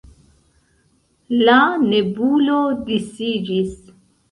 La nebulo disiĝis.